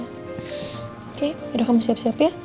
oke udah kamu siap siap ya